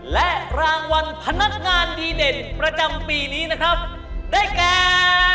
และรางวัลพนักงานดีเด่นประจำปีนี้นะครับได้แก่